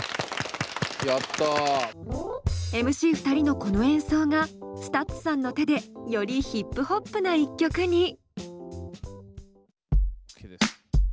ＭＣ２人のこの演奏がＳＴＵＴＳさんの手でよりヒップホップな一曲に。